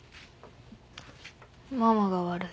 ママが悪い。